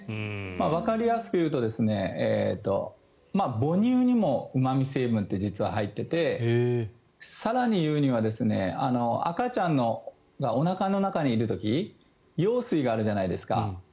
わかりやすくいうと、母乳にもうま味成分って実は入っていて更に言うには赤ちゃんがおなかの中にいる時羊水があるじゃないですか。